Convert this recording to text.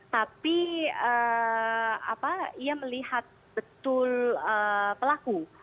tapi ia melihat betul pelaku